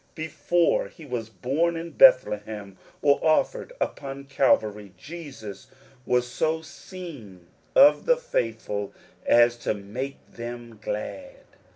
Before he was born in Bethlehem, or offered upon Calvary, Jesus was so seen of the faithful as to make them glad.